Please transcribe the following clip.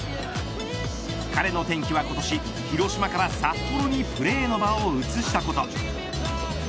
彼の転機は今年広島から札幌にプレーの場を移したこと。